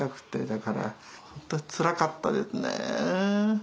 だから本当につらかったですね。